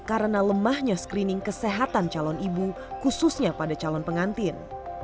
karena lemahnya screening kesehatan calon ibu khususnya pada calon pengantin